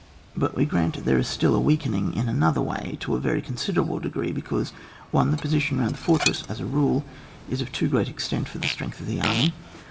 But we grant there is still a weakening in another way, to a yery considerable degree, because— 1. The position round the fortress, as a rule, is of too great extent for the strength of the army.